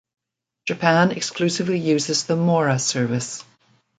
Japan exclusively uses the mora service.